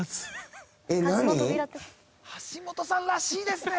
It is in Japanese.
橋本さんらしいですね。